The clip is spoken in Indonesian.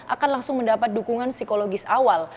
akan langsung mendapat dukungan psikologis awal